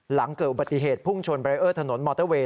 หลังเกิดอุบัติเหตุพุ่งชนเบรเออร์ถนนมอเตอร์เวย